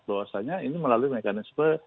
bahwasanya ini melalui mekanisme